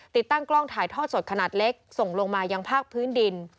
ติดตั้งกล้องถ่ายทอดสดขนาดเล็กส่งลงมายังภาคพื้นดิน